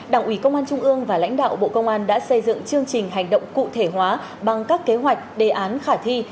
đảng ủy công an trung ương và lãnh đạo bộ công an đã xây dựng chương trình hành động cụ thể hóa bằng các kế hoạch đề án khả thi